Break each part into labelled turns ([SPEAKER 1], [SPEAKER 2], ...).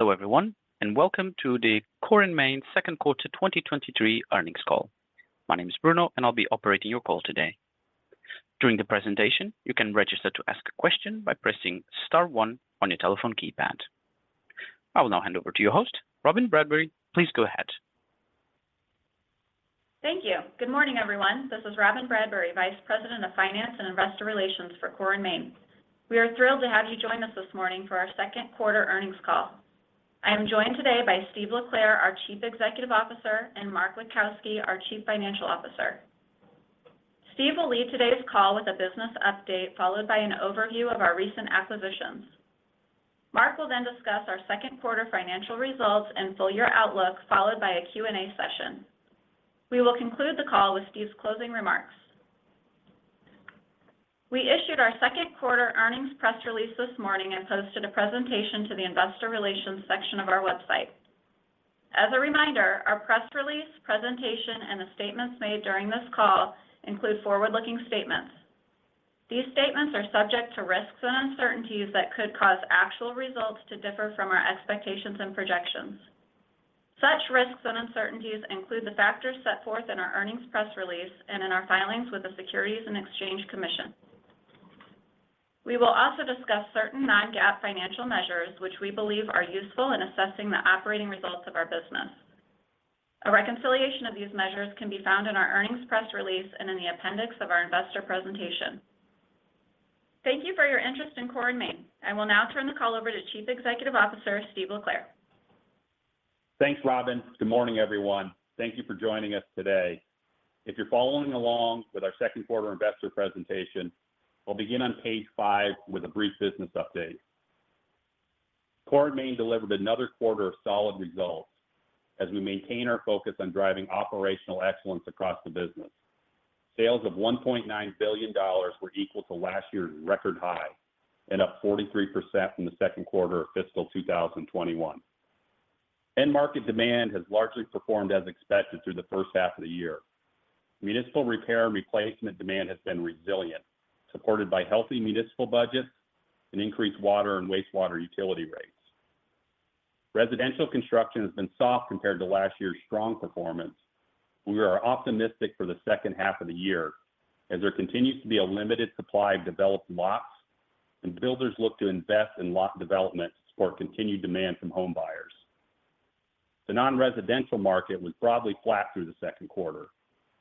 [SPEAKER 1] Hello, everyone, and welcome to the Core & Main second quarter 2023 earnings call. My name is Bruno, and I'll be operating your call today. During the presentation, you can register to ask a question by pressing star one on your telephone keypad. I will now hand over to your host, Robin Bradbury. Please go ahead.
[SPEAKER 2] Thank you. Good morning, everyone. This is Robyn Bradbury, Vice President of Finance and Investor Relations for Core & Main. We are thrilled to have you join us this morning for our second quarter earnings call. I am joined today by Steve LeClair, our Chief Executive Officer, and Mark Witkowski, our Chief Financial Officer. Steve will lead today's call with a business update, followed by an overview of our recent acquisitions. Mark will then discuss our second quarter financial results and full year outlook, followed by a Q&A session. We will conclude the call with Steve's closing remarks. We issued our second quarter earnings press release this morning and posted a presentation to the investor relations section of our website. As a reminder, our press release, presentation, and the statements made during this call include forward-looking statements. These statements are subject to risks and uncertainties that could cause actual results to differ from our expectations and projections. Such risks and uncertainties include the factors set forth in our earnings press release and in our filings with the Securities and Exchange Commission. We will also discuss certain non-GAAP financial measures, which we believe are useful in assessing the operating results of our business. A reconciliation of these measures can be found in our earnings press release and in the appendix of our investor presentation. Thank you for your interest in Core & Main. I will now turn the call over to Chief Executive Officer, Steve LeClair. Thanks, Robin. Good morning, everyone. Thank you for joining us today. If you're following along with our second quarter investor presentation, we'll begin on page 5 with a brief business update. Core & Main delivered another quarter of solid results as we maintain our focus on driving operational excellence across the business. Sales of $1.9 billion were equal to last year's record high and up 43% from the second quarter of fiscal 2021. End market demand has largely performed as expected through the first half of the year. Municipal repair and replacement demand has been resilient, supported by healthy municipal budgets and increased water and wastewater utility rates.
[SPEAKER 3] Residential construction has been soft compared to last year's strong performance, but we are optimistic for the second half of the year as there continues to be a limited supply of developed lots, and builders look to invest in lot development to support continued demand from home buyers. The non-residential market was broadly flat through the second quarter.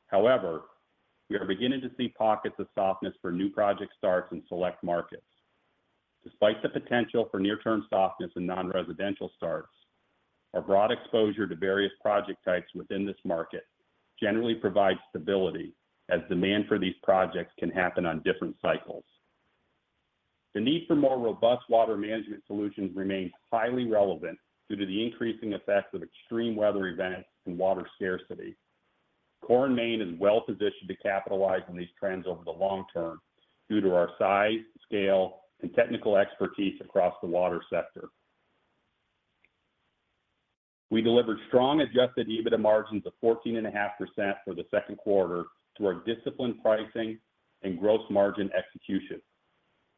[SPEAKER 3] However, we are beginning to see pockets of softness for new project starts in select markets. Despite the potential for near-term softness in non-residential starts, our broad exposure to various project types within this market generally provides stability as demand for these projects can happen on different cycles. The need for more robust water management solutions remains highly relevant due to the increasing effects of extreme weather events and water scarcity. Core & Main is well-positioned to capitalize on these trends over the long term due to our size, scale, and technical expertise across the water sector. We delivered strong Adjusted EBITDA margins of 14.5% for the second quarter through our disciplined pricing and gross margin execution.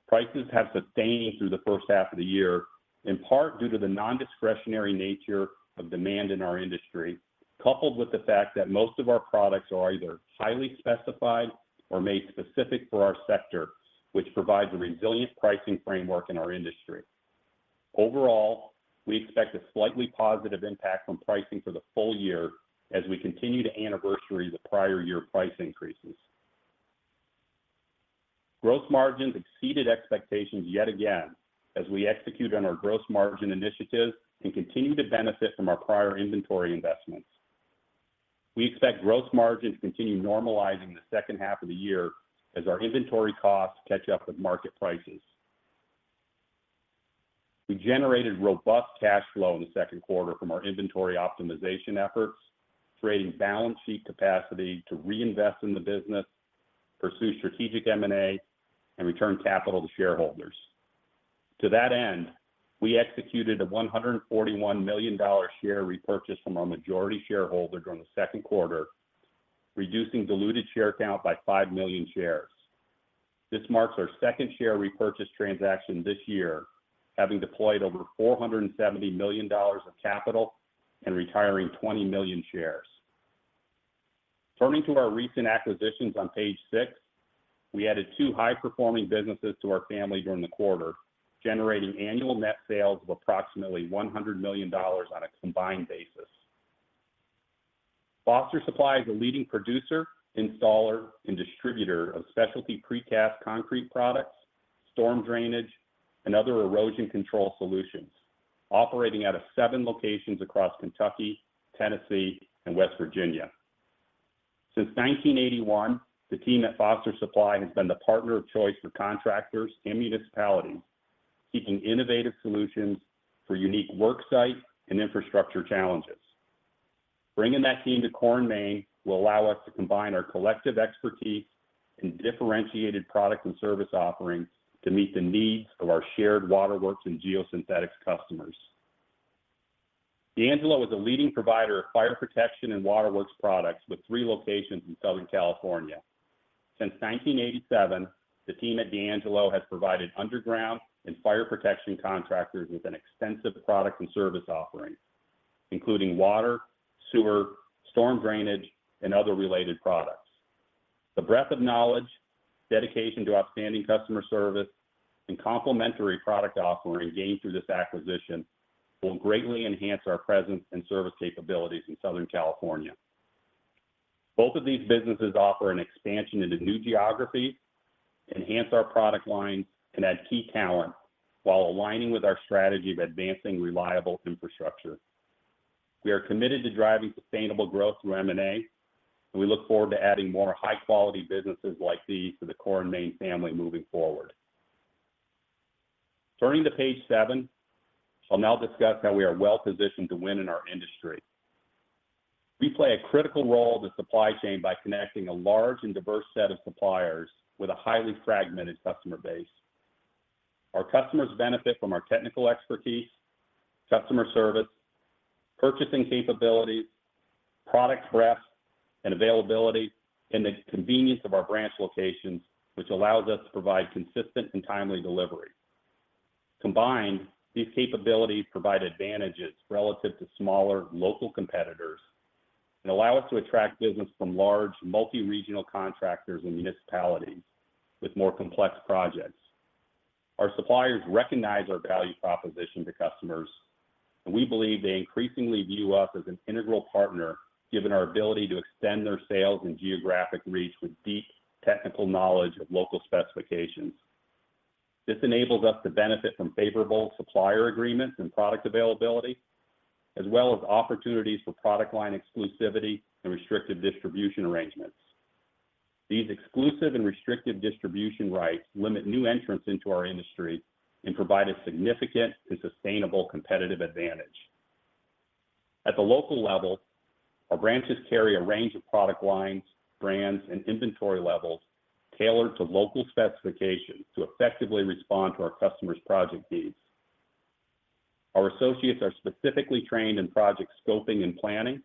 [SPEAKER 3] Prices have sustained through the first half of the year, in part due to the non-discretionary nature of demand in our industry, coupled with the fact that most of our products are either highly specified or made specific for our sector, which provides a resilient pricing framework in our industry. Overall, we expect a slightly positive impact on pricing for the full year as we continue to anniversary the prior year price increases. Gross margins exceeded expectations yet again as we execute on our gross margin initiatives and continue to benefit from our prior inventory investments. We expect gross margins to continue normalizing in the second half of the year as our inventory costs catch up with market prices. We generated robust cash flow in the second quarter from our inventory optimization efforts, creating balance sheet capacity to reinvest in the business, pursue strategic M&A, and return capital to shareholders. To that end, we executed a $141 million share repurchase from our majority shareholder during the second quarter, reducing diluted share count by 5 million shares. This marks our second share repurchase transaction this year, having deployed over $470 million of capital and retiring 20 million shares. Turning to our recent acquisitions on page 6, we added 2 high-performing businesses to our family during the quarter, generating annual net sales of approximately $100 million on a combined basis. Foster Supply is a leading producer, installer, and distributor of specialty precast concrete products, storm drainage, and other erosion control solutions, operating out of seven locations across Kentucky, Tennessee, and West Virginia. Since 1981, the team at Foster Supply has been the partner of choice for contractors and municipalities, seeking innovative solutions for unique work site and infrastructure challenges. Bringing that team to Core & Main will allow us to combine our collective expertise and differentiated product and service offerings to meet the needs of our shared waterworks and geosynthetics customers.... D'Angelo is a leading provider of fire protection and waterworks products, with three locations in Southern California. Since 1987, the team at D'Angelo has provided underground and fire protection contractors with an extensive product and service offering, including water, sewer, storm drainage, and other related products. The breadth of knowledge, dedication to outstanding customer service, and complementary product offering gained through this acquisition will greatly enhance our presence and service capabilities in Southern California. Both of these businesses offer an expansion into new geographies, enhance our product line, and add key talent while aligning with our strategy of advancing reliable infrastructure. We are committed to driving sustainable growth through M&A, and we look forward to adding more high-quality businesses like these to the Core & Main family moving forward. Turning to page seven, I'll now discuss how we are well positioned to win in our industry. We play a critical role in the supply chain by connecting a large and diverse set of suppliers with a highly fragmented customer base. Our customers benefit from our technical expertise, customer service, purchasing capabilities, product breadth and availability, and the convenience of our branch locations, which allows us to provide consistent and timely delivery. Combined, these capabilities provide advantages relative to smaller local competitors and allow us to attract business from large, multi-regional contractors and municipalities with more complex projects. Our suppliers recognize our value proposition to customers, and we believe they increasingly view us as an integral partner, given our ability to extend their sales and geographic reach with deep technical knowledge of local specifications. This enables us to benefit from favorable supplier agreements and product availability, as well as opportunities for product line exclusivity and restrictive distribution arrangements. These exclusive and restrictive distribution rights limit new entrants into our industry and provide a significant and sustainable competitive advantage. At the local level, our branches carry a range of product lines, brands, and inventory levels tailored to local specifications to effectively respond to our customers' project needs. Our associates are specifically trained in project scoping and planning,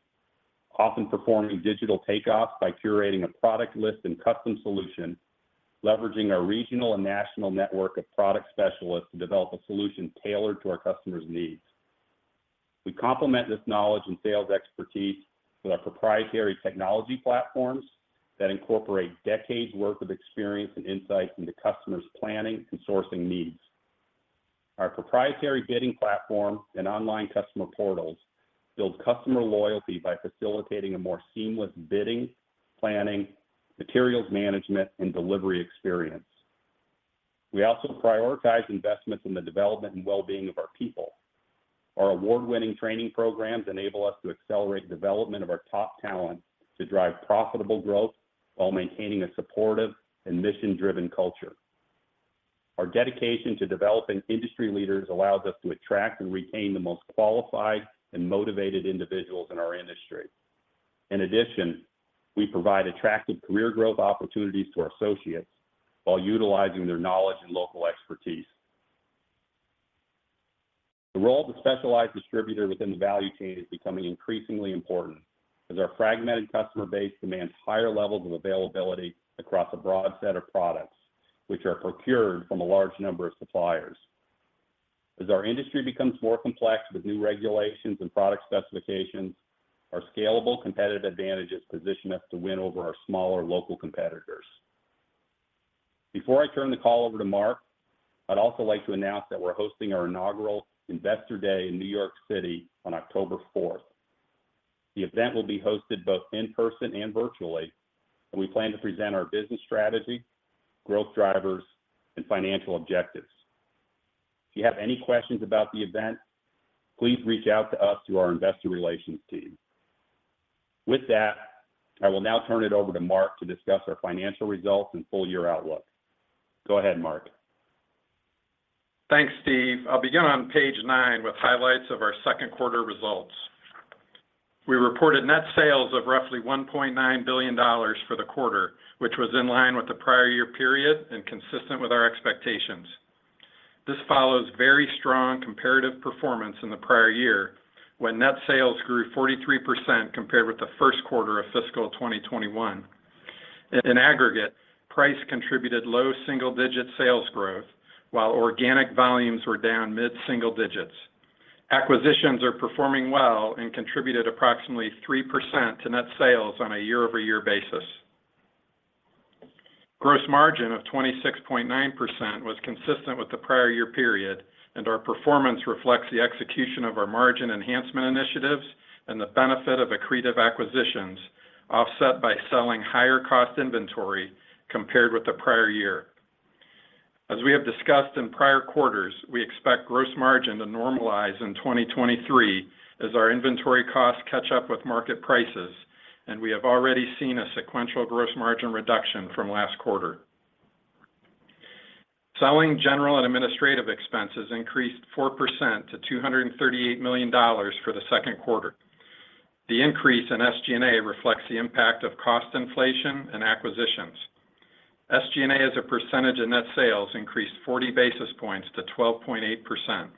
[SPEAKER 3] often performing digital takeoffs by curating a product list and custom solution, leveraging our regional and national network of product specialists to develop a solution tailored to our customers' needs. We complement this knowledge and sales expertise with our proprietary technology platforms that incorporate decades' worth of experience and insight into customers' planning and sourcing needs. Our proprietary bidding platform and online customer portals build customer loyalty by facilitating a more seamless bidding, planning, materials management, and delivery experience. We also prioritize investments in the development and well-being of our people. Our award-winning training programs enable us to accelerate the development of our top talent to drive profitable growth while maintaining a supportive and mission-driven culture. Our dedication to developing industry leaders allows us to attract and retain the most qualified and motivated individuals in our industry. In addition, we provide attractive career growth opportunities to our associates while utilizing their knowledge and local expertise. The role of the specialized distributor within the value chain is becoming increasingly important, as our fragmented customer base demands higher levels of availability across a broad set of products, which are procured from a large number of suppliers. As our industry becomes more complex with new regulations and product specifications, our scalable competitive advantages position us to win over our smaller local competitors. Before I turn the call over to Mark, I'd also like to announce that we're hosting our inaugural Investor Day in New York City on October fourth. The event will be hosted both in person and virtually, and we plan to present our business strategy, growth drivers, and financial objectives. If you have any questions about the event, please reach out to us through our investor relations team. With that, I will now turn it over to Mark to discuss our financial results and full year outlook. Go ahead, Mark.
[SPEAKER 4] Thanks, Steve. I'll begin on page 9 with highlights of our second quarter results. We reported net sales of roughly $1.9 billion for the quarter, which was in line with the prior year period and consistent with our expectations. This follows very strong comparative performance in the prior year, when net sales grew 43% compared with the first quarter of fiscal 2021. In aggregate, price contributed low single-digit sales growth, while organic volumes were down mid-single digits. Acquisitions are performing well and contributed approximately 3% to net sales on a year-over-year basis. Gross margin of 26.9% was consistent with the prior year period, and our performance reflects the execution of our margin enhancement initiatives and the benefit of accretive acquisitions, offset by selling higher-cost inventory compared with the prior year. As we have discussed in prior quarters, we expect gross margin to normalize in 2023 as our inventory costs catch up with market prices, and we have already seen a sequential gross margin reduction from last quarter. Selling, general, and administrative expenses increased 4% to $238 million for the second quarter. The increase in SG&A reflects the impact of cost inflation and acquisitions. SG&A as a percentage of net sales increased 40 basis points to 12.8%.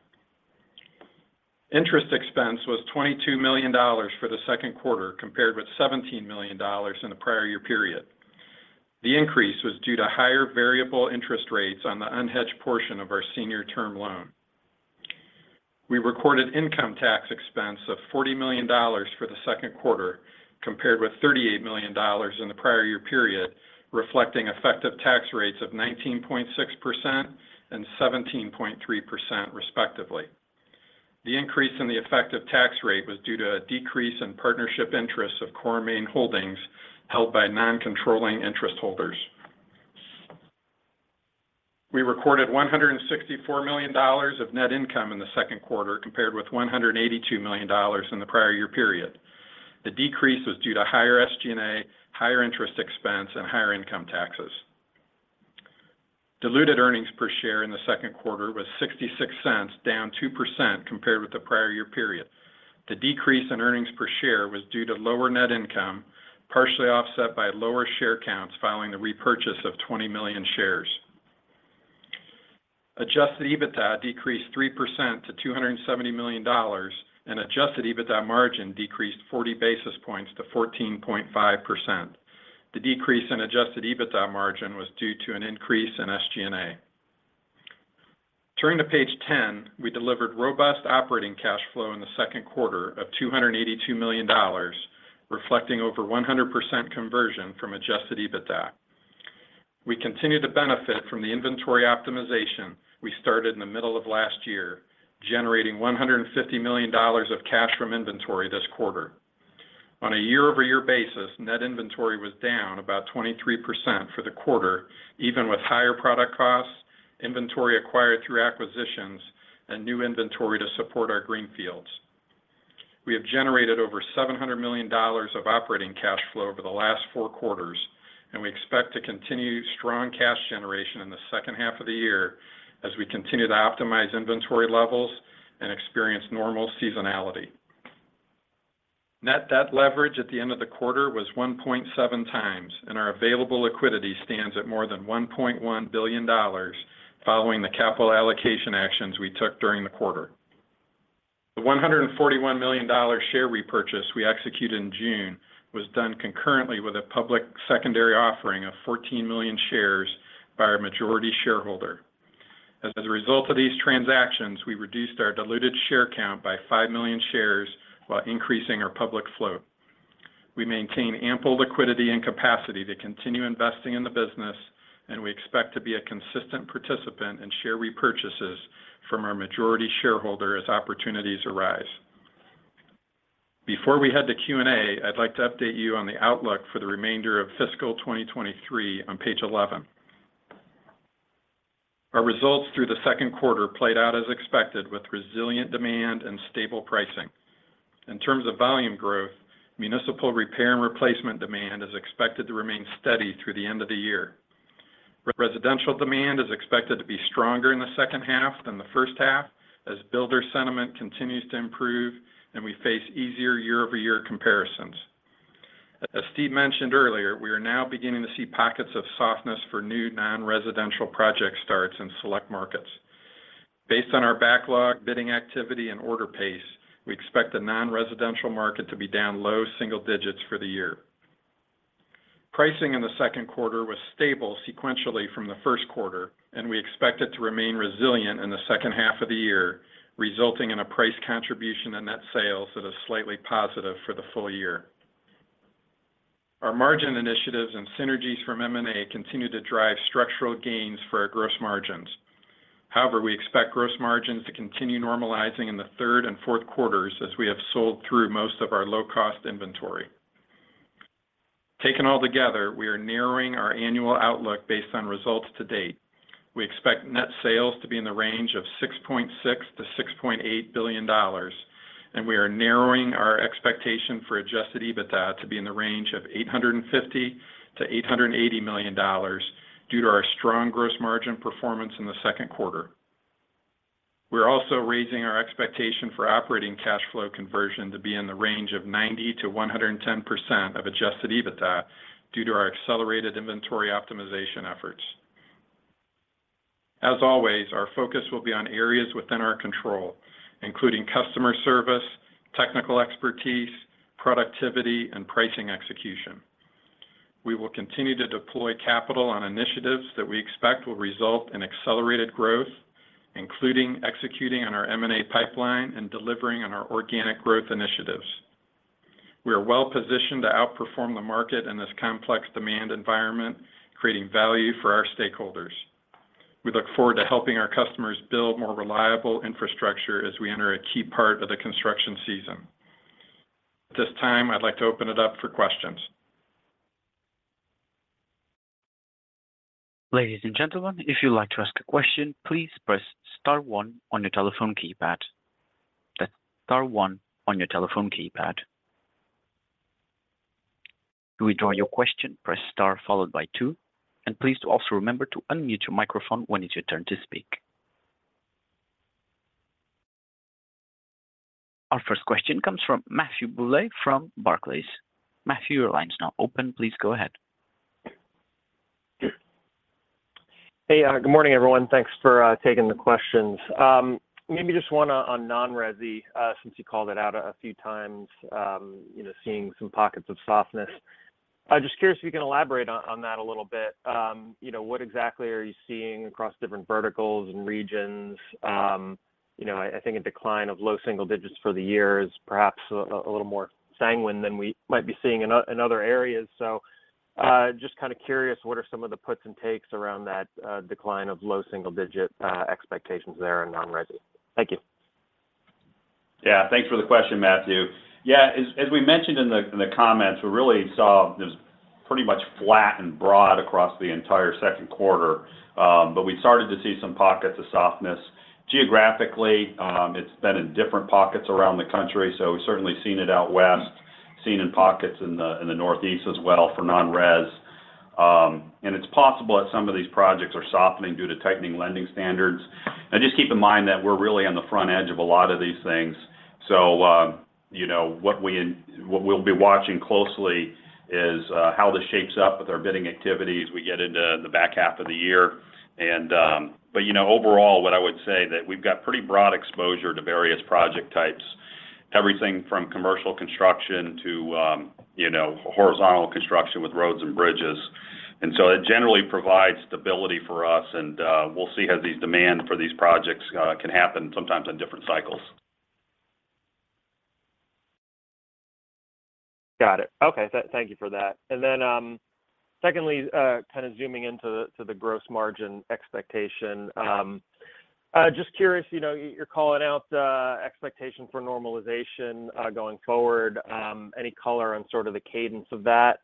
[SPEAKER 4] Interest expense was $22 million for the second quarter, compared with $17 million in the prior year period. The increase was due to higher variable interest rates on the unhedged portion of our senior term loan. We recorded income tax expense of $40 million for the second quarter, compared with $38 million in the prior year period, reflecting effective tax rates of 19.6% and 17.3% respectively. The increase in the effective tax rate was due to a decrease in partnership interests of Core & Main Holdings held by non-controlling interest holders. We recorded $164 million of net income in the second quarter, compared with $182 million in the prior year period. The decrease was due to higher SG&A, higher interest expense, and higher income taxes. Diluted earnings per share in the second quarter was $0.66, down 2% compared with the prior year period. The decrease in earnings per share was due to lower net income, partially offset by lower share counts following the repurchase of 20 million shares. Adjusted EBITDA decreased 3% to $270 million, and adjusted EBITDA margin decreased 40 basis points to 14.5%. The decrease in adjusted EBITDA margin was due to an increase in SG&A. Turning to page 10. We delivered robust operating cash flow in the second quarter of $282 million, reflecting over 100% conversion from adjusted EBITDA. We continue to benefit from the inventory optimization we started in the middle of last year, generating $150 million of cash from inventory this quarter. On a year-over-year basis, net inventory was down about 23% for the quarter, even with higher product costs, inventory acquired through acquisitions, and new inventory to support our greenfields. We have generated over $700 million of operating cash flow over the last four quarters, and we expect to continue strong cash generation in the second half of the year as we continue to optimize inventory levels and experience normal seasonality. Net debt leverage at the end of the quarter was 1.7 times, and our available liquidity stands at more than $1.1 billion following the capital allocation actions we took during the quarter. The $141 million share repurchase we executed in June was done concurrently with a public secondary offering of 14 million shares by our majority shareholder. As a result of these transactions, we reduced our diluted share count by 5 million shares while increasing our public float. We maintain ample liquidity and capacity to continue investing in the business, and we expect to be a consistent participant in share repurchases from our majority shareholder as opportunities arise. Before we head to Q&A, I'd like to update you on the outlook for the remainder of fiscal 2023 on page 11. Our results through the second quarter played out as expected, with resilient demand and stable pricing. In terms of volume growth, municipal repair and replacement demand is expected to remain steady through the end of the year. Residential demand is expected to be stronger in the second half than the first half, as builder sentiment continues to improve and we face easier year-over-year comparisons. As Steve mentioned earlier, we are now beginning to see pockets of softness for new non-residential project starts in select markets. Based on our backlog, bidding activity, and order pace, we expect the non-residential market to be down low single digits for the year. Pricing in the second quarter was stable sequentially from the first quarter, and we expect it to remain resilient in the second half of the year, resulting in a price contribution and net sales that are slightly positive for the full year. Our margin initiatives and synergies from M&A continue to drive structural gains for our gross margins. However, we expect gross margins to continue normalizing in the third and fourth quarters as we have sold through most of our low-cost inventory. Taken altogether, we are narrowing our annual outlook based on results to date. We expect net sales to be in the range of $6.6 billion-$6.8 billion, and we are narrowing our expectation for Adjusted EBITDA to be in the range of $850 million-$880 million due to our strong gross margin performance in the second quarter. We are also raising our expectation for operating cash flow conversion to be in the range of 90%-110% of Adjusted EBITDA due to our accelerated inventory optimization efforts. As always, our focus will be on areas within our control, including customer service, technical expertise, productivity, and pricing execution. We will continue to deploy capital on initiatives that we expect will result in accelerated growth, including executing on our M&A pipeline and delivering on our organic growth initiatives. We are well positioned to outperform the market in this complex demand environment, creating value for our stakeholders. We look forward to helping our customers build more reliable infrastructure as we enter a key part of the construction season. At this time, I'd like to open it up for questions.
[SPEAKER 1] Ladies and gentlemen, if you'd like to ask a question, please press star one on your telephone keypad. That's star one on your telephone keypad. To withdraw your question, press Star, followed by two, and please also remember to unmute your microphone when it's your turn to speak. Our first question comes from Matthew Boulay from Barclays. Matthew, your line is now open. Please go ahead.
[SPEAKER 5] Hey, good morning, everyone. Thanks for taking the questions. Maybe just one on non-resi, since you called it out a few times, you know, seeing some pockets of softness. I'm just curious if you can elaborate on that a little bit. You know, what exactly are you seeing across different verticals and regions? You know, I think a decline of low single digits for the year is perhaps a little more sanguine than we might be seeing in other areas. So, just kind of curious, what are some of the puts and takes around that decline of low single digit expectations there in non-resi? Thank you.
[SPEAKER 4] Yeah, thanks for the question, Matthew. Yeah, as we mentioned in the comments, we really saw it was pretty much flat and broad across the entire second quarter. But we started to see some pockets of softness. Geographically, it's been in different pockets around the country, so we've certainly seen it out west, seen in pockets in the Northeast as well for non-res. And it's possible that some of these projects are softening due to tightening lending standards. And just keep in mind that we're really on the front edge of a lot of these things. So, you know, what we'll be watching closely is how this shapes up with our bidding activities as we get into the back half of the year. But you know, overall, what I would say that we've got pretty broad exposure to various project types, everything from commercial construction to, you know, horizontal construction with roads and bridges. And so it generally provides stability for us, and we'll see how these demand for these projects can happen sometimes in different cycles.
[SPEAKER 5] Got it. Okay. Thank you for that. And then, secondly, kind of zooming into the, to the gross margin expectation.
[SPEAKER 4] Yeah.
[SPEAKER 5] Just curious, you know, you're calling out expectation for normalization going forward, any color on sort of the cadence of that,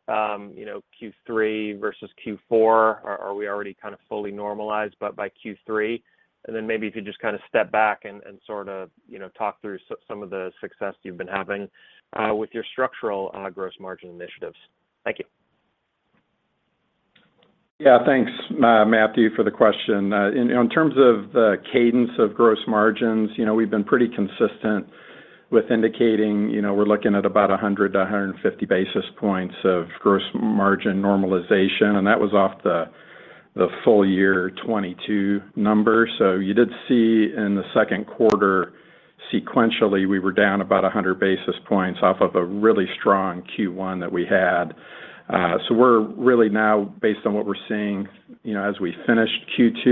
[SPEAKER 5] you know, Q3 versus Q4? Or, are we already kind of fully normalized by Q3? And then maybe if you just kind of step back and sort of, you know, talk through some of the success you've been having with your structural gross margin initiatives. Thank you.
[SPEAKER 4] Yeah, thanks, Matthew, for the question. In terms of the cadence of gross margins, you know, we've been pretty consistent with indicating, you know, we're looking at about 100-150 basis points of gross margin normalization, and that was off the full year 2022 number. So you did see in the second quarter, sequentially, we were down about 100 basis points off of a really strong Q1 that we had. So we're really now, based on what we're seeing, you know, as we finished Q2,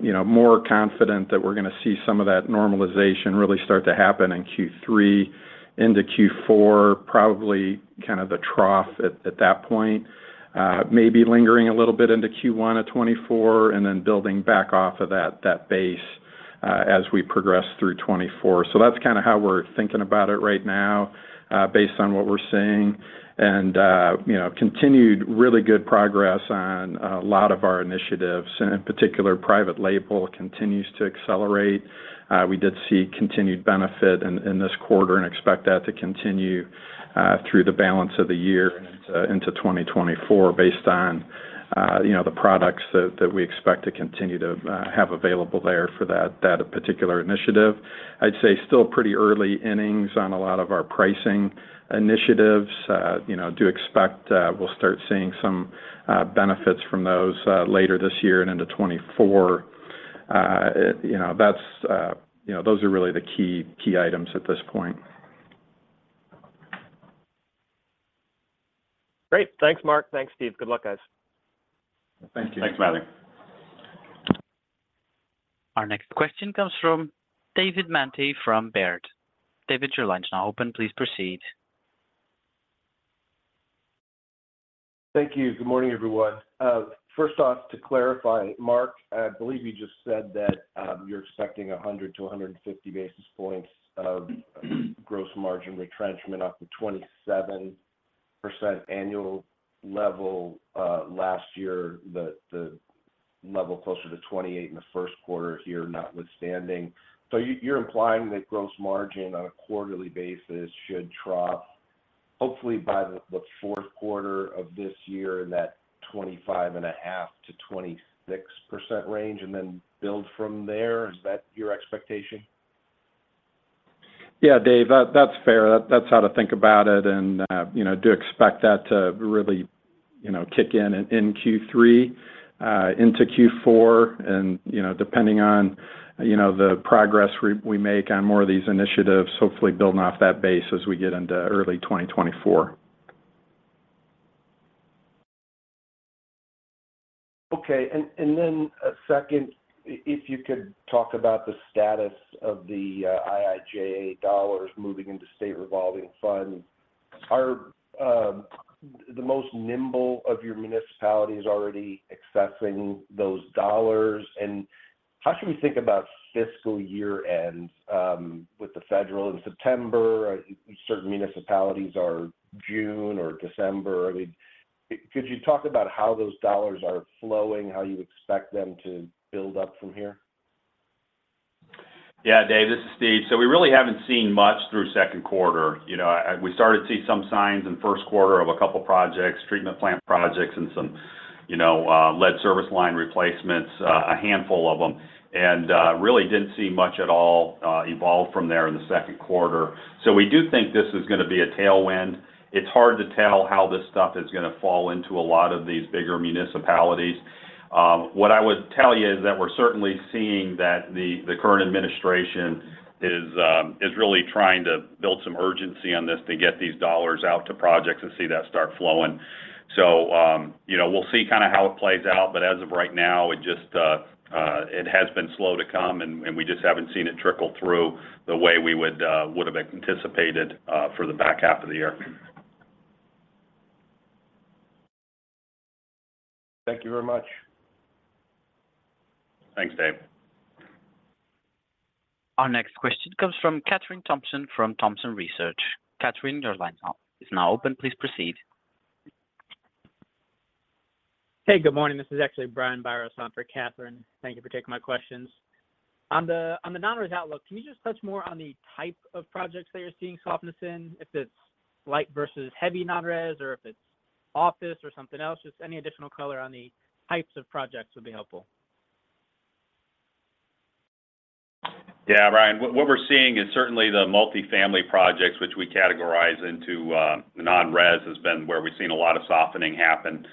[SPEAKER 4] you know, more confident that we're gonna see some of that normalization really start to happen in Q3 into Q4, probably kind of the trough at that point. Maybe lingering a little bit into Q1 of 2024, and then building back off of that, that base, as we progress through 2024. So that's kind of how we're thinking about it right now, based on what we're seeing. And, you know, continued really good progress on a lot of our initiatives, and in particular, private label continues to accelerate. We did see continued benefit in, in this quarter and expect that to continue through the balance of the year and into 2024, based on, you know, the products that, that we expect to continue to have available there for that, that particular initiative. I'd say still pretty early innings on a lot of our pricing initiatives. You know, do expect we'll start seeing some benefits from those later this year and into 2024. You know, that's you know, those are really the key, key items at this point.
[SPEAKER 5] Great. Thanks, Mark. Thanks, Steve. Good luck, guys.
[SPEAKER 1] Thank you.
[SPEAKER 4] Thanks, Matthew.
[SPEAKER 1] Our next question comes from David Manthey from Baird. David, your line is now open. Please proceed.
[SPEAKER 6] Thank you. Good morning, everyone. First off, to clarify, Mark, I believe you just said that you're expecting 100-150 basis points of gross margin retrenchment off the 27% annual level last year, the level closer to 28 in the first quarter here, notwithstanding. So you're implying that gross margin on a quarterly basis should trough, hopefully, by the fourth quarter of this year in that 25.5-26% range, and then build from there. Is that your expectation?
[SPEAKER 4] Yeah, Dave, that's fair. That's how to think about it, and, you know, do expect that to really, you know, kick in, in Q3, into Q4. And, you know, depending on, you know, the progress we make on more of these initiatives, hopefully building off that base as we get into early 2024.
[SPEAKER 6] Okay. And then, second, if you could talk about the status of the IIJA dollars moving into State Revolving Funds. Are the most nimble of your municipalities already accessing those dollars? And how should we think about fiscal year ends, with the federal in September, certain municipalities are June or December? I mean, could you talk about how those dollars are flowing, how you expect them to build up from here? ...
[SPEAKER 3] Yeah, Dave, this is Steve. So we really haven't seen much through second quarter. You know, we started to see some signs in first quarter of a couple projects, treatment plant projects and some, you know, lead service line replacements, a handful of them, and really didn't see much at all, evolved from there in the second quarter. So we do think this is gonna be a tailwind. It's hard to tell how this stuff is gonna fall into a lot of these bigger municipalities. What I would tell you is that we're certainly seeing that the current administration is really trying to build some urgency on this to get these dollars out to projects and see that start flowing. So, you know, we'll see kind of how it plays out, but as of right now, it just, it has been slow to come, and we just haven't seen it trickle through the way we would have anticipated for the back half of the year. Thank you very much. Thanks, Dave.
[SPEAKER 1] Our next question comes from Kathryn Thompson from Thompson Research. Kathryn, your line is now open. Please proceed.
[SPEAKER 7] Hey, good morning. This is actually Brian Biros on for Kathryn. Thank you for taking my questions. On the, on the non-res outlook, can you just touch more on the type of projects that you're seeing softness in? If it's light versus heavy non-res, or if it's office or something else, just any additional color on the types of projects would be helpful.
[SPEAKER 3] Yeah, Brian, what we're seeing is certainly the multifamily projects, which we categorize into non-res, has been where we've seen a lot of softening happen.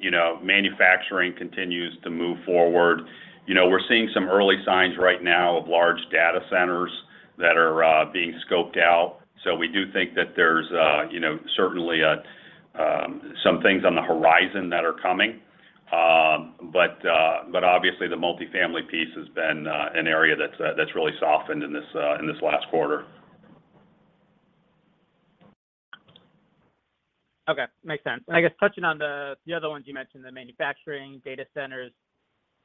[SPEAKER 3] You know, manufacturing continues to move forward. You know, we're seeing some early signs right now of large data centers that are being scoped out. So we do think that there's you know, certainly a some things on the horizon that are coming. But obviously, the multifamily piece has been an area that's really softened in this last quarter.
[SPEAKER 7] Okay. Makes sense. And I guess touching on the, the other ones you mentioned, the manufacturing, data centers,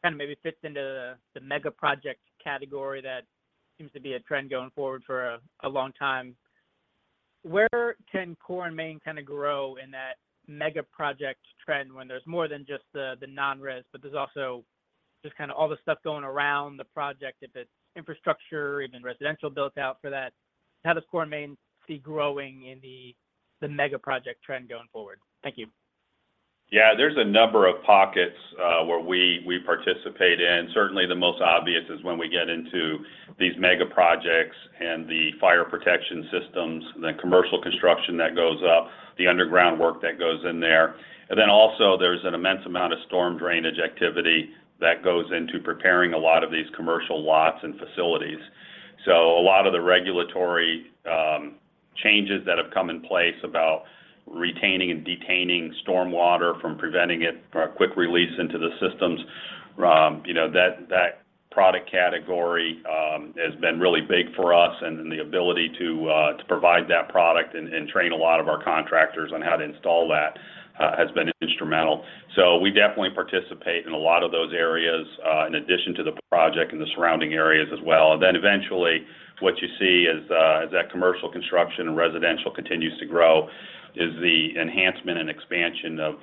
[SPEAKER 7] kind of maybe fits into the, the mega project category that seems to be a trend going forward for a, a long time. Where can Core & Main kind of grow in that mega project trend when there's more than just the, the non-res, but there's also just kind of all the stuff going around the project, if it's infrastructure, even residential built out for that? How does Core & Main see growing in the, the mega project trend going forward? Thank you.
[SPEAKER 3] Yeah, there's a number of pockets where we participate in. Certainly, the most obvious is when we get into these mega projects and the fire protection systems, the commercial construction that goes up, the underground work that goes in there. And then also there's an immense amount of storm drainage activity that goes into preparing a lot of these commercial lots and facilities. So a lot of the regulatory changes that have come in place about retaining and detaining storm water from preventing it from a quick release into the systems, you know, that product category has been really big for us, and the ability to provide that product and train a lot of our contractors on how to install that has been instrumental. We definitely participate in a lot of those areas, in addition to the project and the surrounding areas as well. Eventually, what you see is, as that commercial construction and residential continues to grow, the enhancement and expansion of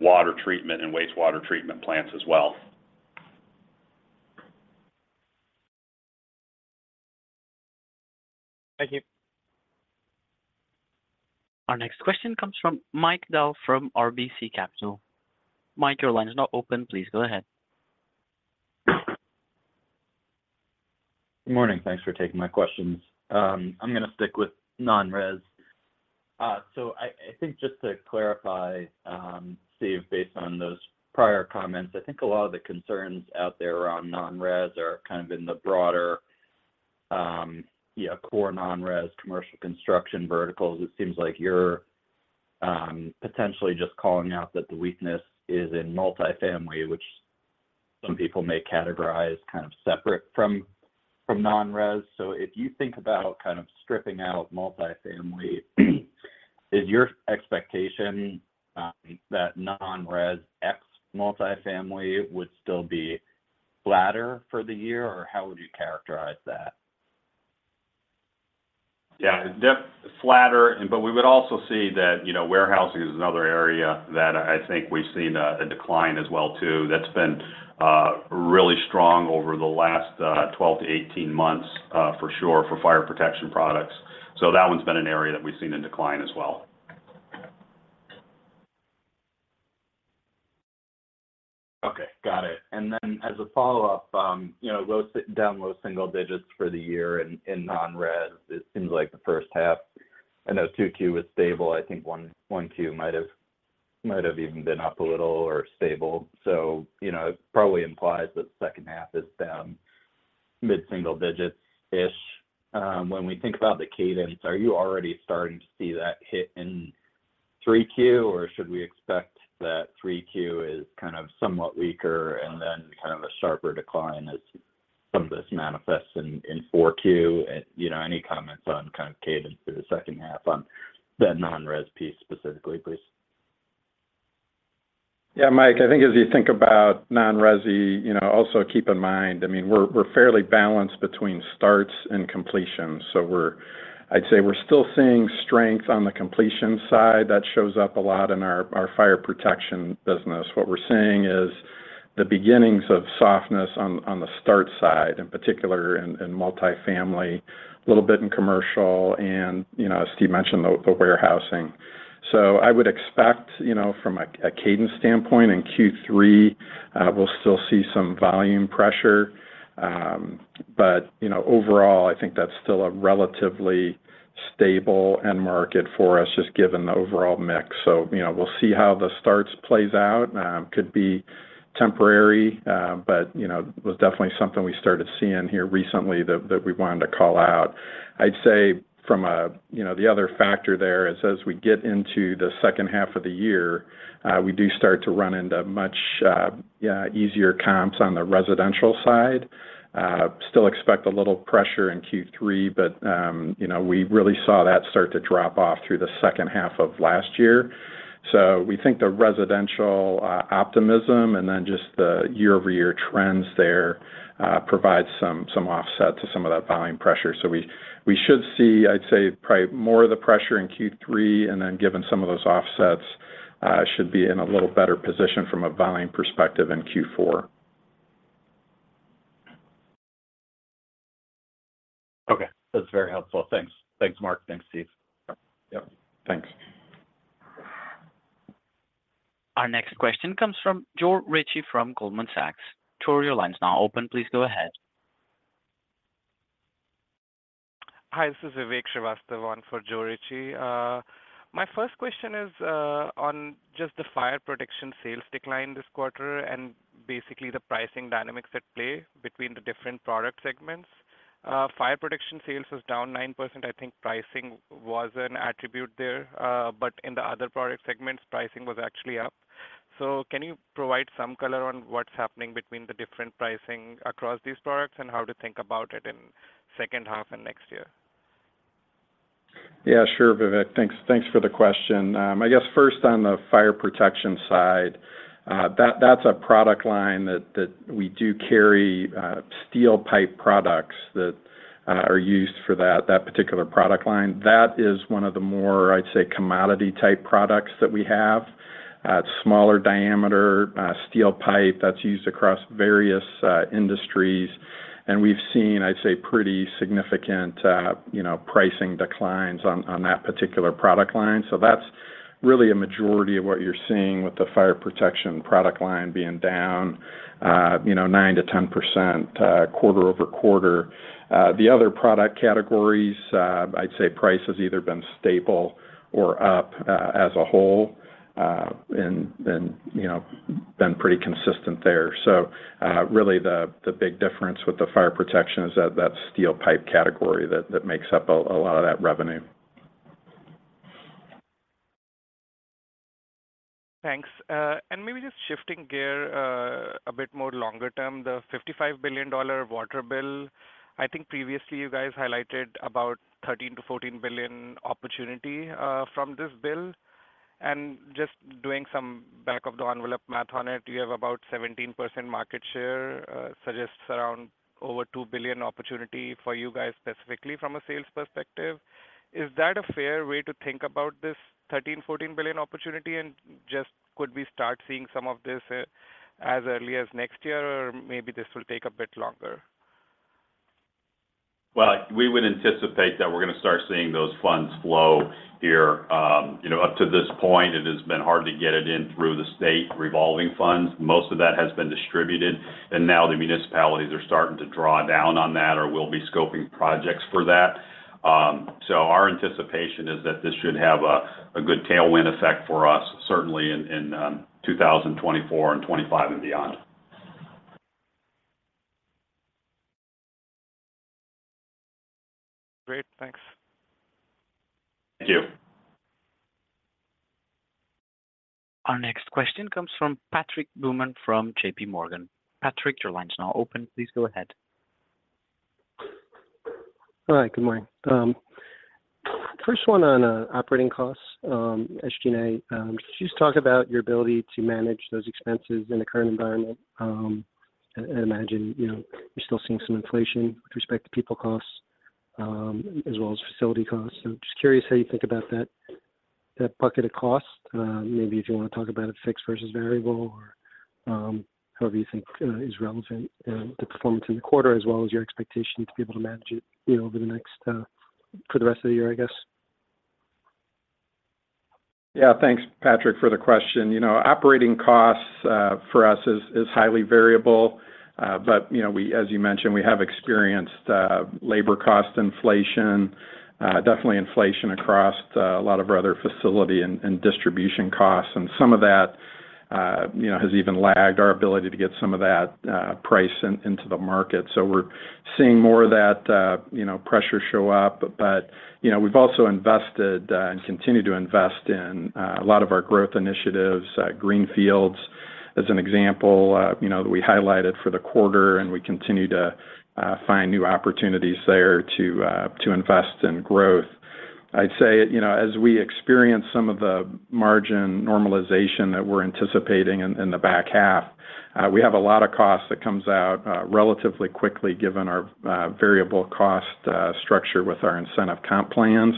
[SPEAKER 3] water treatment and wastewater treatment plants as well.
[SPEAKER 7] Thank you.
[SPEAKER 1] Our next question comes from Mike Dahl from RBC Capital. Mike, your line is now open. Please go ahead.
[SPEAKER 8] Good morning. Thanks for taking my questions. I'm gonna stick with non-res. So I think just to clarify, Steve, based on those prior comments, I think a lot of the concerns out there around non-res are kind of in the broader core non-res commercial construction verticals. It seems like you're potentially just calling out that the weakness is in multifamily, which some people may categorize kind of separate from, from non-res. So if you think about kind of stripping out multifamily, is your expectation that non-res ex multifamily would still be flatter for the year, or how would you characterize that?
[SPEAKER 3] Yeah, definitely flatter, and but we would also see that, you know, warehousing is another area that I think we've seen a decline as well too, that's been really strong over the last 12-18 months, for sure, for fire protection products. So that one's been an area that we've seen a decline as well.
[SPEAKER 8] Okay. Got it. And then as a follow-up, you know, low single digits for the year in non-res, it seems like the first half. I know 2Q was stable. I think 1Q might have even been up a little or stable. So you know, it probably implies that the second half is down mid-single digits-ish. When we think about the cadence, are you already starting to see that hit in 3Q, or should we expect that 3Q is kind of somewhat weaker and then kind of a sharper decline as some of this manifests in 4Q? And, you know, any comments on kind of cadence for the second half on the non-res piece specifically, please?
[SPEAKER 3] Yeah, Mike, I think as you think about non-resi, you know, also keep in mind, I mean, we're fairly balanced between starts and completions, so we're-...
[SPEAKER 4] I'd say we're still seeing strength on the completion side. That shows up a lot in our fire protection business. What we're seeing is the beginnings of softness on the start side, in particular in multifamily, a little bit in commercial, and, you know, as Steve mentioned, the warehousing. So I would expect, you know, from a cadence standpoint in Q3, we'll still see some volume pressure, but, you know, overall, I think that's still a relatively stable end market for us, just given the overall mix. So, you know, we'll see how the starts plays out. Could be temporary, but, you know, it was definitely something we started seeing here recently that we wanted to call out. I'd say from a, you know, the other factor there is, as we get into the second half of the year, we do start to run into much, yeah, easier comps on the residential side. Still expect a little pressure in Q3, but, you know, we really saw that start to drop off through the second half of last year. So we think the residential, optimism and then just the year-over-year trends there, provide some, some offset to some of that volume pressure. So we, we should see, I'd say, probably more of the pressure in Q3, and then, given some of those offsets, should be in a little better position from a volume perspective in Q4.
[SPEAKER 8] Okay, that's very helpful. Thanks. Thanks, Mark. Thanks, Steve.
[SPEAKER 3] Yep. Thanks.
[SPEAKER 1] Our next question comes from Joe Ritchie from Goldman Sachs. Joe, your line is now open. Please go ahead.
[SPEAKER 9] Hi, this is Vivek Srivastava in for Joe Ritchie. My first question is on just the fire protection sales decline this quarter and basically the pricing dynamics at play between the different product segments. Fire protection sales was down 9%. I think pricing was an attribute there, but in the other product segments, pricing was actually up. So can you provide some color on what's happening between the different pricing across these products, and how to think about it in second half and next year?
[SPEAKER 4] Yeah, sure, Vivek. Thanks, thanks for the question. I guess first on the fire protection side, that, that's a product line that, that we do carry, steel pipe products that are used for that, that particular product line. That is one of the more, I'd say, commodity-type products that we have. It's smaller diameter, steel pipe that's used across various industries, and we've seen, I'd say, pretty significant, you know, pricing declines on, on that particular product line. So that's really a majority of what you're seeing with the fire protection product line being down, you know, 9%-10%, quarter-over-quarter. The other product categories, I'd say price has either been stable or up, as a whole, and, and, you know, been pretty consistent there. So, really, the big difference with the fire protection is that steel pipe category that makes up a lot of that revenue.
[SPEAKER 9] Thanks. And maybe just shifting gear, a bit more longer term, the $55 billion water bill, I think previously you guys highlighted about $13 billion-$14 billion opportunity, from this bill. And just doing some back-of-the-envelope math on it, you have about 17% market share, suggests around over $2 billion opportunity for you guys specifically from a sales perspective. Is that a fair way to think about this $13-$14 billion opportunity? And just could we start seeing some of this, as early as next year, or maybe this will take a bit longer?
[SPEAKER 3] Well, we would anticipate that we're gonna start seeing those funds flow here. You know, up to this point, it has been hard to get it in through the State Revolving Funds. Most of that has been distributed, and now the municipalities are starting to draw down on that or will be scoping projects for that. So our anticipation is that this should have a good tailwind effect for us, certainly in 2024 and 2025 and beyond.
[SPEAKER 9] Great. Thanks.
[SPEAKER 3] Thank you.
[SPEAKER 1] Our next question comes from Patrick Baumann from J.P. Morgan. Patrick, your line is now open. Please go ahead.
[SPEAKER 10] All right. Good morning. First one on operating costs, SG&A. Just talk about your ability to manage those expenses in the current environment. I imagine, you know, you're still seeing some inflation with respect to people costs, as well as facility costs. So just curious how you think about that, that bucket of costs. Maybe if you wanna talk about it, fixed versus variable, or, however you think is relevant in the performance in the quarter, as well as your expectation to be able to manage it, you know, over the next, for the rest of the year, I guess.
[SPEAKER 4] Yeah. Thanks, Patrick, for the question. You know, operating costs for us is highly variable, but, you know, we—as you mentioned, we have experienced labor cost inflation, definitely inflation across a lot of our other facility and distribution costs, and some of that, you know, has even lagged our ability to get some of that price into the market. So we're seeing more of that, you know, pressure show up, but, you know, we've also invested and continue to invest in a lot of our growth initiatives. Greenfields, as an example, you know, that we highlighted for the quarter, and we continue to find new opportunities there to invest in growth.... I'd say, you know, as we experience some of the margin normalization that we're anticipating in the back half, we have a lot of costs that comes out relatively quickly, given our variable cost structure with our incentive comp plans.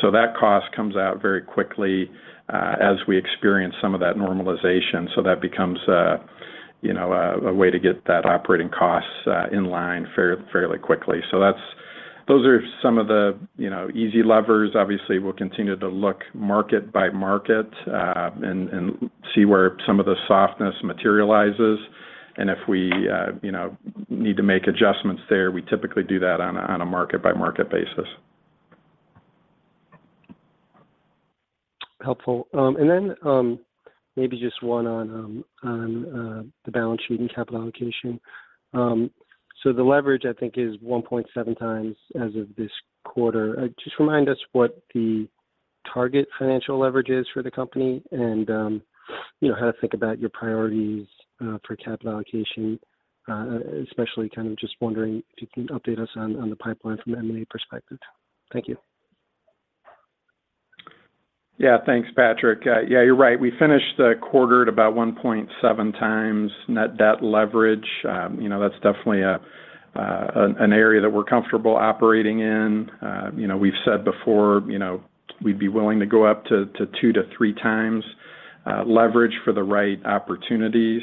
[SPEAKER 4] So that cost comes out very quickly as we experience some of that normalization. So that becomes a, you know, way to get that operating costs in line fairly quickly. So that's those are some of the, you know, easy levers. Obviously, we'll continue to look market by market and see where some of the softness materializes. And if we, you know, need to make adjustments there, we typically do that on a market-by-market basis.
[SPEAKER 10] Helpful. And then, maybe just one on the balance sheet and capital allocation. So the leverage, I think, is 1.7 times as of this quarter. Just remind us what the target financial leverage is for the company, and, you know, how to think about your priorities for capital allocation, especially kind of just wondering if you can update us on the pipeline from an M&A perspective. Thank you.
[SPEAKER 4] Yeah, thanks, Patrick. Yeah, you're right. We finished the quarter at about 1.7 times net debt leverage. You know, that's definitely an area that we're comfortable operating in. You know, we've said before, you know, we'd be willing to go up to 2-3 times leverage for the right opportunities.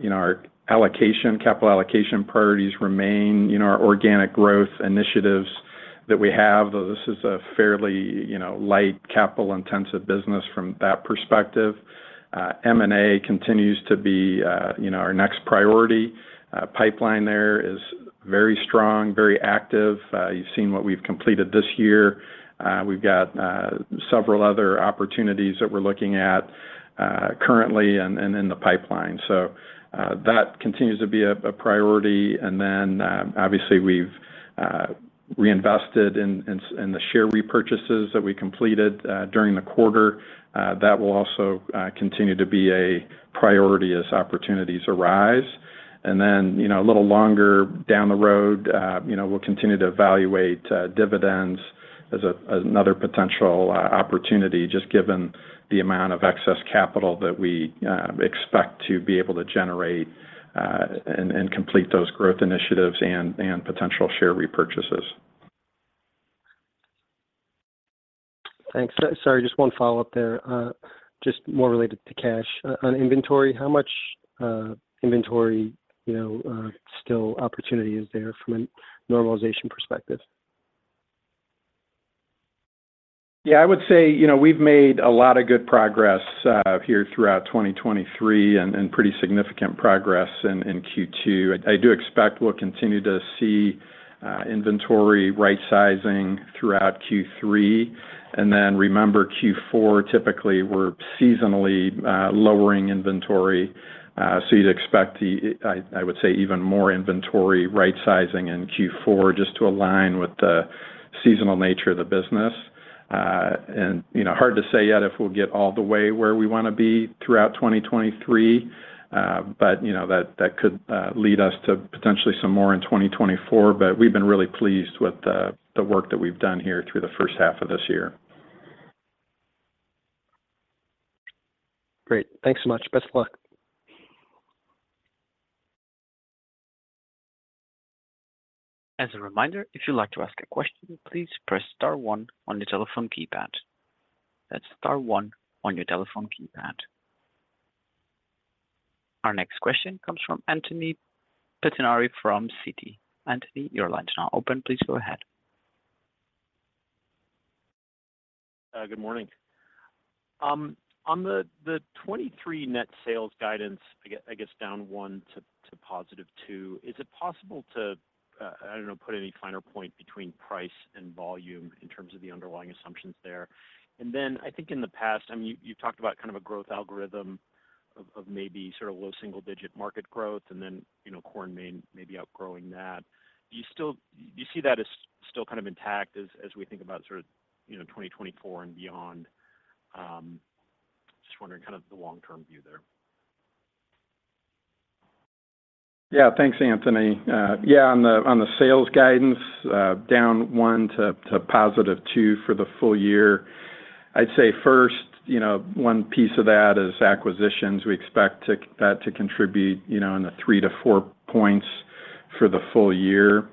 [SPEAKER 4] You know, our capital allocation priorities remain our organic growth initiatives that we have, though this is a fairly light capital-intensive business from that perspective. M&A continues to be our next priority. Pipeline there is very strong, very active. You've seen what we've completed this year. We've got several other opportunities that we're looking at currently and in the pipeline. So, that continues to be a priority. And then, obviously, we've reinvested in the share repurchases that we completed during the quarter. That will also continue to be a priority as opportunities arise. And then, you know, a little longer down the road, you know, we'll continue to evaluate dividends as another potential opportunity, just given the amount of excess capital that we expect to be able to generate and complete those growth initiatives and potential share repurchases.
[SPEAKER 10] Thanks. Sorry, just one follow-up there, just more related to cash. On inventory, how much inventory, you know, still opportunity is there from a normalization perspective?
[SPEAKER 4] Yeah, I would say, you know, we've made a lot of good progress here throughout 2023, and pretty significant progress in Q2. I do expect we'll continue to see inventory rightsizing throughout Q3. And then remember, Q4, typically, we're seasonally lowering inventory, so you'd expect, I would say, even more inventory rightsizing in Q4, just to align with the seasonal nature of the business. And, you know, hard to say yet if we'll get all the way where we want to be throughout 2023, but, you know, that could lead us to potentially some more in 2024. But we've been really pleased with the work that we've done here through the first half of this year.
[SPEAKER 10] Great. Thanks so much. Best of luck.
[SPEAKER 1] As a reminder, if you'd like to ask a question, please press star one on your telephone keypad. That's star one on your telephone keypad. Our next question comes from Anthony Pettinari from Citi. Anthony, your line is now open. Please go ahead.
[SPEAKER 11] Good morning. On the 2023 net sales guidance, I guess, down 1 to +2, is it possible to, I don't know, put any finer point between price and volume in terms of the underlying assumptions there? And then, I think in the past, I mean, you, you've talked about kind of a growth algorithm of maybe sort of low single-digit market growth, and then, you know, Core & Main may be outgrowing that. Do you still see that as still kind of intact as we think about sort of, you know, 2024 and beyond? Just wondering kind of the long-term view there.
[SPEAKER 4] Yeah. Thanks, Anthony. Yeah, on the sales guidance, down 1 to +2 for the full year. I'd say first, you know, one piece of that is acquisitions. We expect that to contribute, you know, in the 3-4 points for the full year.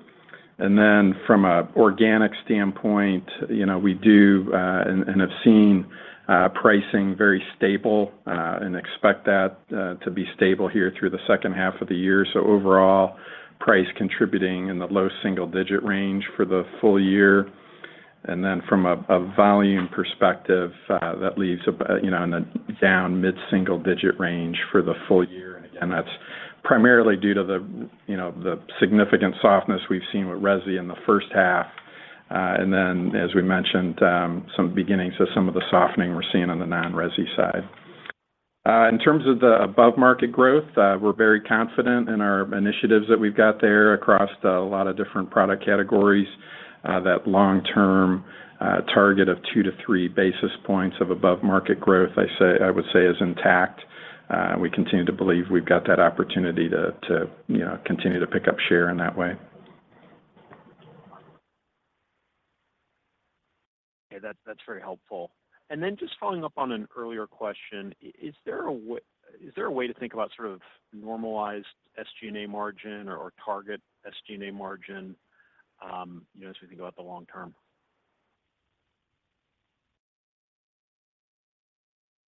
[SPEAKER 4] And then from an organic standpoint, you know, we do and have seen pricing very stable and expect that to be stable here through the second half of the year. So overall, price contributing in the low single-digit range for the full year. And then from a volume perspective, that leaves about, you know, in a down mid-single digit range for the full year. And again, that's primarily due to the, you know, the significant softness we've seen with resi in the first half. And then, as we mentioned, some beginnings of some of the softening we're seeing on the non-resi side. In terms of the above-market growth, we're very confident in our initiatives that we've got there across a lot of different product categories. That long-term target of 2-3 basis points of above-market growth, I say-- I would say, is intact. We continue to believe we've got that opportunity to, to, you know, continue to pick up share in that way. ...
[SPEAKER 11] Okay, that's very helpful. And then just following up on an earlier question, is there a way, is there a way to think about sort of normalized SG&A margin or target SG&A margin, you know, as we think about the long term?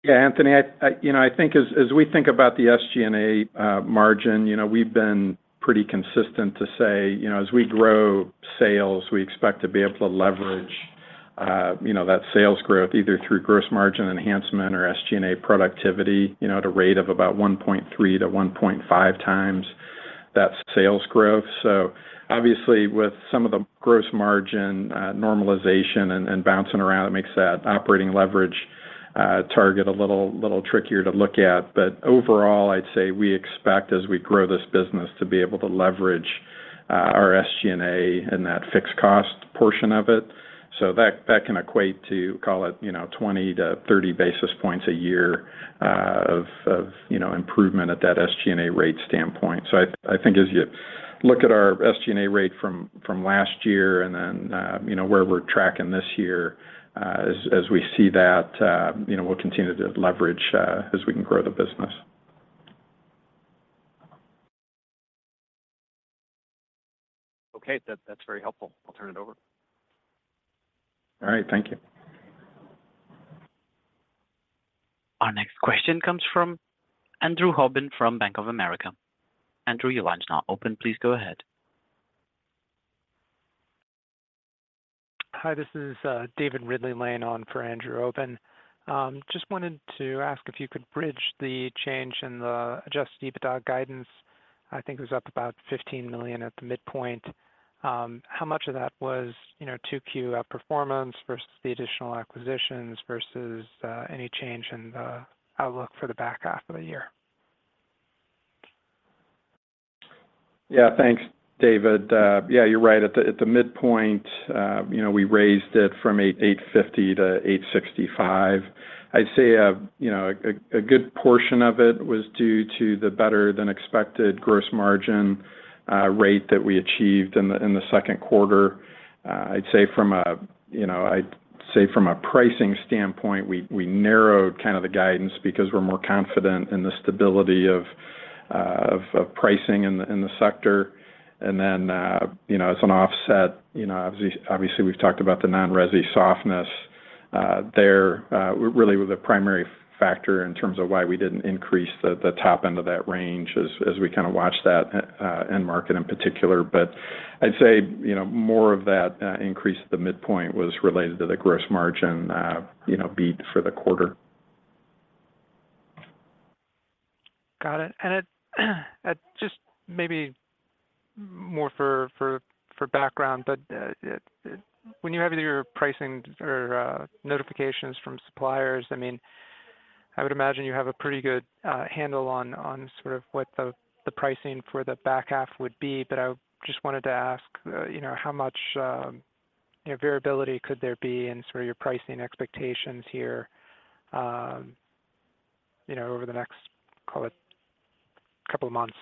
[SPEAKER 4] Yeah, Anthony, you know, I think as we think about the SG&A margin, you know, we've been pretty consistent to say, you know, as we grow sales, we expect to be able to leverage that sales growth, either through gross margin enhancement or SG&A productivity, you know, at a rate of about 1.3-1.5 times that sales growth. So obviously, with some of the gross margin normalization and bouncing around, it makes that operating leverage target a little trickier to look at. But overall, I'd say we expect, as we grow this business, to be able to leverage our SG&A and that fixed cost portion of it. So that, that can equate to, call it, you know, 20-30 basis points a year, of, of, you know, improvement at that SG&A rate standpoint. So I, I think as you look at our SG&A rate from, from last year and then, you know, where we're tracking this year, as, as we see that, you know, we'll continue to leverage, as we can grow the business.
[SPEAKER 11] Okay. That, that's very helpful. I'll turn it over.
[SPEAKER 4] All right. Thank you.
[SPEAKER 1] Our next question comes from Andrew Obin from Bank of America. Andrew, your line's now open. Please go ahead.
[SPEAKER 12] Hi, this is David Ridley-Lane on for Andrew Obin. Just wanted to ask if you could bridge the change in the Adjusted EBITDA guidance. I think it was up about $15 million at the midpoint. How much of that was, you know, 2Q outperformance versus the additional acquisitions, versus any change in the outlook for the back half of the year?
[SPEAKER 4] Yeah. Thanks, David. Yeah, you're right. At the midpoint, you know, we raised it from $8.85 to $8.65. I'd say, you know, a good portion of it was due to the better-than-expected gross margin rate that we achieved in the second quarter. I'd say from a pricing standpoint, we narrowed kind of the guidance because we're more confident in the stability of pricing in the sector. And then, you know, as an offset, you know, obviously, we've talked about the non-resi softness there. Really was the primary factor in terms of why we didn't increase the top end of that range as we kind of watched that end market in particular. I'd say, you know, more of that increase at the midpoint was related to the gross margin, you know, beat for the quarter.
[SPEAKER 12] Got it. And just maybe more for background, but when you have your pricing or notifications from suppliers, I mean, I would imagine you have a pretty good handle on sort of what the pricing for the back half would be. But I just wanted to ask, you know, how much, you know, variability could there be in sort of your pricing expectations here, you know, over the next, call it, couple of months?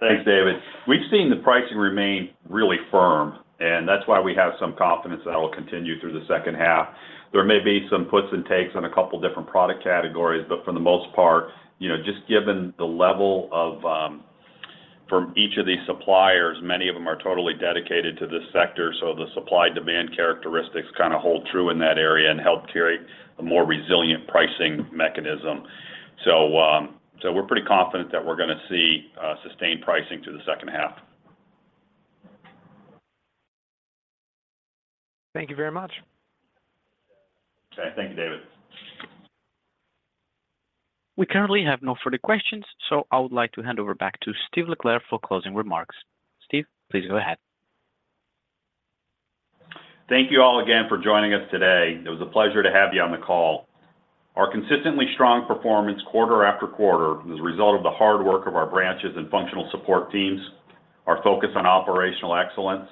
[SPEAKER 4] Thanks, David. We've seen the pricing remain really firm, and that's why we have some confidence that it will continue through the second half. There may be some puts and takes on a couple different product categories, but for the most part, you know, just given the level of, From each of these suppliers, many of them are totally dedicated to this sector, so the supply-demand characteristics kind of hold true in that area and help carry a more resilient pricing mechanism. So, so we're pretty confident that we're gonna see, sustained pricing through the second half.
[SPEAKER 12] Thank you very much.
[SPEAKER 4] Okay. Thank you, David.
[SPEAKER 1] We currently have no further questions, so I would like to hand over back to Steve LeClair for closing remarks. Steve, please go ahead.
[SPEAKER 4] Thank you all again for joining us today. It was a pleasure to have you on the call. Our consistently strong performance quarter after quarter was a result of the hard work of our branches and functional support teams, our focus on operational excellence,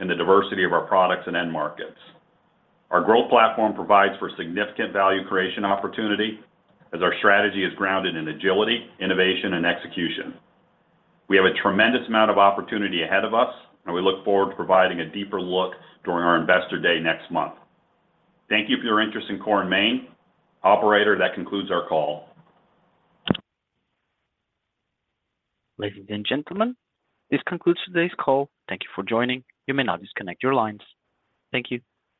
[SPEAKER 4] and the diversity of our products and end markets. Our growth platform provides for significant value creation opportunity as our strategy is grounded in agility, innovation, and execution. We have a tremendous amount of opportunity ahead of us, and we look forward to providing a deeper look during our Investor Day next month. Thank you for your interest in Core & Main. Operator, that concludes our call.
[SPEAKER 1] Ladies and gentlemen, this concludes today's call. Thank you for joining. You may now disconnect your lines. Thank you.